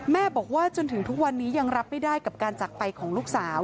แม่บอกว่าจนถึงทุกวันนี้ยังรับไม่ได้กับการจักรไปของลูกสาว